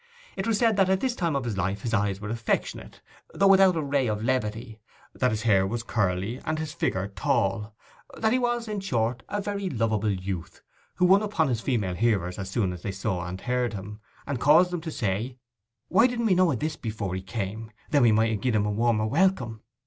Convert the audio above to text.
It is said that at this time of his life his eyes were affectionate, though without a ray of levity; that his hair was curly, and his figure tall; that he was, in short, a very lovable youth, who won upon his female hearers as soon as they saw and heard him, and caused them to say, 'Why didn't we know of this before he came, that we might have gied him a warmer welcome!